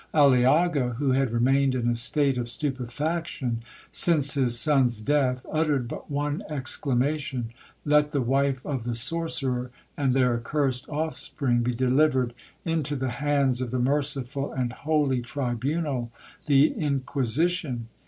Aliaga, who had remained in a state of stupefaction since his son's death, uttered but one exclamation—'Let the wife of the sorcerer, and their accursed offspring, be delivered into the hands of the merciful and holy tribunal, the Inquisition.'